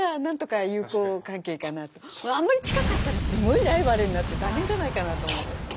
あんまり近かったらすごいライバルになって大変じゃないかなと思うんですけれど。